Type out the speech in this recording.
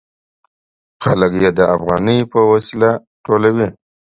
خلک یې د افغانیو په وسیله ټولوي.